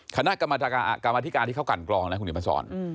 คณะกรรมธิการที่เขากันกรองนะคุณเดี๋ยวมาสอน